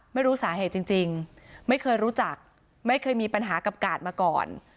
ไม่รู้สาเหตุจริงไม่เคยรู้จักไม่เคยมีปัญหากับกาดมาก่อน